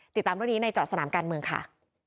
ติดตามเรื่องนี้ในจอดสนามการเมืองค่ะ